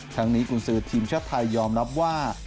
ทั้งนี้กุญสือทีมชาติไทยยอมรับว่า